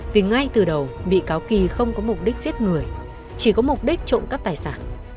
vì ngay từ đầu bị cáo kỳ không có mục đích giết người chỉ có mục đích trộm cắp tài sản